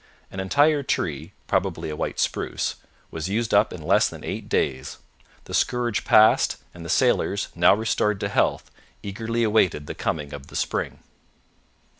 An entire tree probably a white spruce was used up in less than eight days. The scourge passed and the sailors, now restored to health, eagerly awaited the coming of the spring.